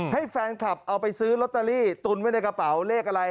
ให้แฟนคลับเอาไปซื้อลอตเตอรี่ตุนไว้ในกระเป๋าเลขอะไร